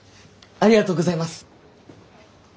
ありがとうございます！